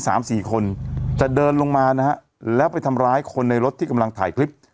สามสี่คนจะเดินลงมานะฮะแล้วไปทำร้ายคนในรถที่กำลังถ่ายคลิป